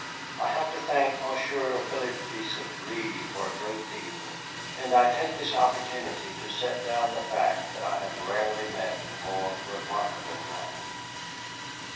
I have to thank Monsieur Philippe de St. Gré for a great deal. And I take this opportunity to set down the fact that I have rarely met a more remarkable man.